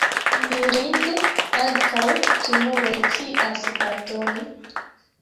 Mirinde, ankaŭ krimuloj scias pardoni!